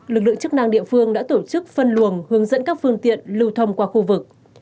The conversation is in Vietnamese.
lực lượng chức năng địa phương đã tổ chức phân luồng hướng dẫn các phương tiện lưu thông qua khu vực